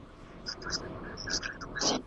یوازې یوې ځانګړې ډلې کولای سول جنګي زده کړې وکړي.